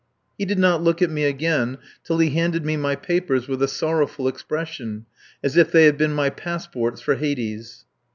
He did not look at me again till he handed me my papers with a sorrowful expression, as if they had been my passports for Hades.